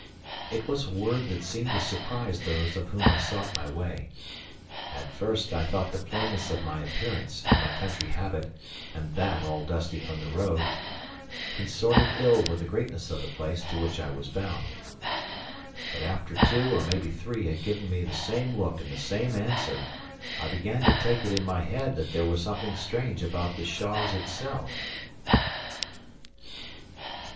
It was a word that seemed to surprise those of whom I sought my way. At first I thought the plainness of my appearance, in my country habit, and that all dusty from the road, consorted ill with the greatness of the place to which I was bound. But after two, or maybe three, had given me the same look and the same answer, I began to take it in my head there was something strange about the Shaws itself.